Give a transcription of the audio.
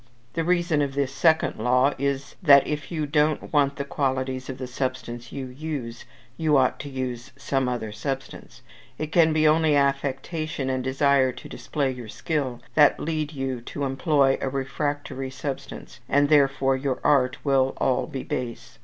The reason of this second law is, that if you don't want the qualities of the substance you use, you ought to use some other substance: it can be only affectation, and desire to display your skill, that lead you to employ a refractory substance, and therefore your art will all be base.